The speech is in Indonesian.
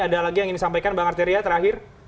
ada lagi yang ingin disampaikan bang arteria terakhir